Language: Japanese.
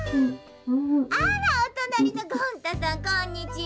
「あらおとなりのゴン太さんこんにちは。